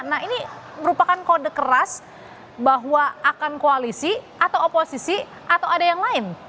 nah ini merupakan kode keras bahwa akan koalisi atau oposisi atau ada yang lain